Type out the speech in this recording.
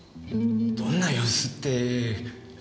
どんな様子って別に。